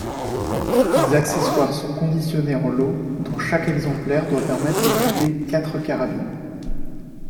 Les accessoires sont conditionnés en lots dont chaque exemplaire doit permettre d'équiper quatre carabines.